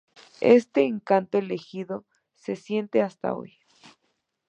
Este encanto elegido se siente hasta hoy.